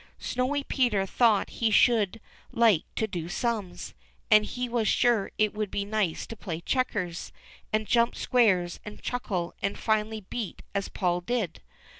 Snowy Peter thought he should like to do sums, and he was sure it Avould be nice to play checkers, and jump squares and chuckle and finally beat as Paul did.